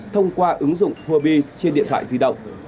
thông qua ứng dụng hobby trên điện thoại di động